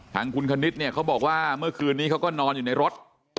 ทางคุณคณิตเนี่ยเขาบอกว่าเมื่อคืนนี้เขาก็นอนอยู่ในรถ